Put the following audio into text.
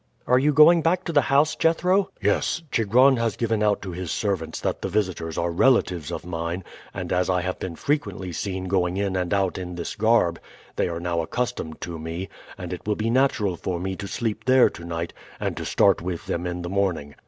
"Are you going back to the house, Jethro?" "Yes. Chigron has given out to his servants that the visitors are relatives of mine, and as I have been frequently seen going in and out in this garb they are now accustomed to me; and it will be natural for me to sleep there to night and to start with them in the morning.